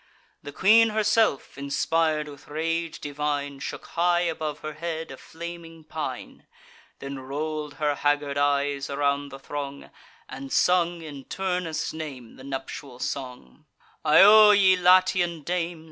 The queen herself, inspir'd with rage divine, Shook high above her head a flaming pine; Then roll'd her haggard eyes around the throng, And sung, in Turnus' name, the nuptial song: "Io, ye Latian dames!